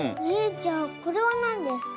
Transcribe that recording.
じゃあこれはなんですか？